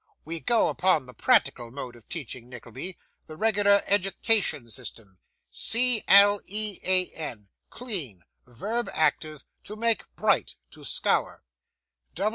'We go upon the practical mode of teaching, Nickleby; the regular education system. C l e a n, clean, verb active, to make bright, to scour.